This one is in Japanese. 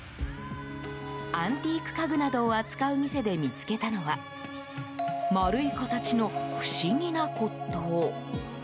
アンティーク家具などを扱う店で見つけたのは丸い形の不思議な骨董。